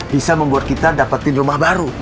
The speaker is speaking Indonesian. bisa membuat kita dapetin rumah baru